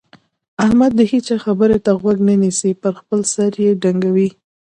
احمد د هيچا خبرې ته غوږ نه نيسي؛ پر خپل سر يې ډنګوي.